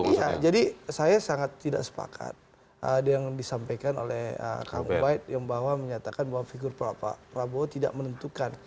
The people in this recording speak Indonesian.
iya jadi saya sangat tidak sepakat ada yang disampaikan oleh kang ubaid yang bahwa menyatakan bahwa figur pak prabowo tidak menentukan